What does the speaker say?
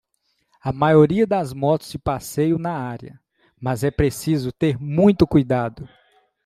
A maioria das motos de passeio na área, mas é preciso ter muito cuidado.